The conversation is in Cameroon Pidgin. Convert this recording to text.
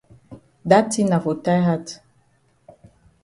Da tin na for tie hat.